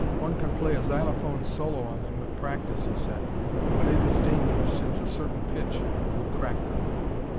One can play a "xylophone solo" on them with practice, he said, but it is dangerous, since a certain pitch would crack them.